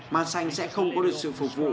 man sanh sẽ không có được sự phục vụ